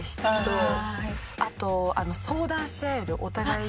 あと相談し合えるお互いに。